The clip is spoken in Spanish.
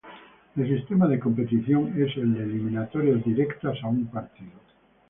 El sistema de competición es el de eliminatorias directas a un partido.